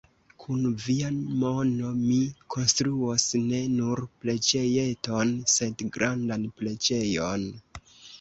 Kun via mono mi konstruos ne nur preĝejeton, sed grandan preĝejon.